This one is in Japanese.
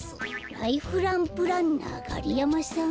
ライフランプランナーガリヤマさん？